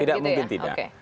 tidak mungkin tidak